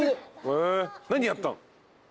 何やったの？